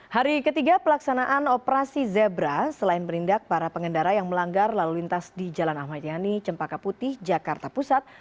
hari ketiga pelaksanaan operasi zebra selain merindak para pengendara yang melanggar lalu lintas di jalan ahmad yani cempaka putih jakarta pusat